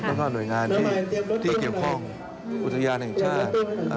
แล้วก็หน่วยงานที่เกี่ยวข้องอุทยานแห่งชาติ